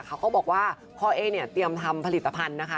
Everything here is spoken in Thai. เขาก็บอกว่าพ่อเอ๊เนี่ยเตรียมทำผลิตภัณฑ์นะคะ